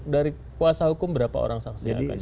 dari kuasa hukum berapa orang saksi yang dihadapkan